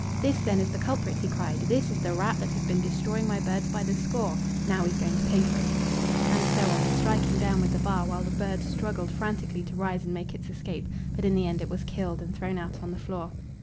"This then is the culprit!" he cried. "This is the rat that has been destroying my birds by the score! Now he's going to pay for it;" and so on, striking down with the bar while the bird struggled frantically to rise and make its escape; but in the end it was killed and thrown out on the floor.